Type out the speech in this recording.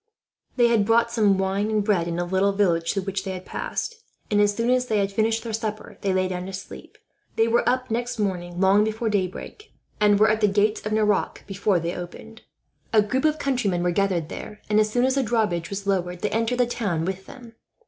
They had bought some wine and bread in a little village through which they had passed and, as soon as they had finished their supper, they lay down to sleep. They were up next morning long before daybreak, and were at the gates of Nerac before they opened. A group of countrymen were gathered there and, as soon as the drawbridge was lowered, they entered the town with them.